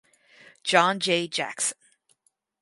John Jay Jackson.